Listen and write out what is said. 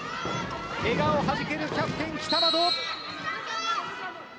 笑顔はじけるキャプテン・北窓。